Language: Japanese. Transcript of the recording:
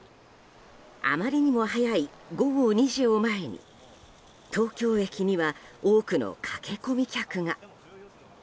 あまりにも早い午後２時を前に東京駅には多くの駆け込み客が。